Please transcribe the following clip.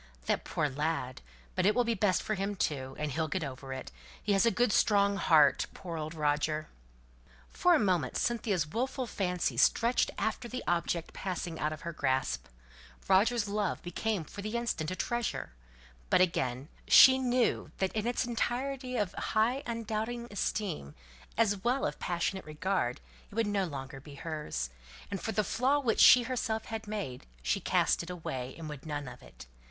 "That poor poor lad! But it will be best for him too. And he'll get over it. He has a good strong heart. Poor old Roger!" For a moment Cynthia's wilful fancy stretched after the object passing out of her grasp, Roger's love became for the instant a treasure; but, again, she knew that in its entirety of high undoubting esteem, as well as of passionate regard, it would no longer be hers; and for the flaw which she herself had made she cast it away, and would none of it.